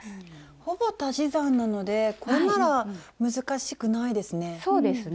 ほぼ足し算なのでこれなら難しくないですね。